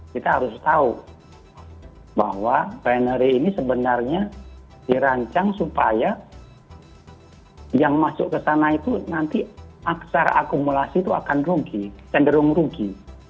kita harus tahu bahwa binary ini sebenarnya dirancang supaya yang masuk ke sana itu nanti secara akumulasi itu akan rugi cenderung rugi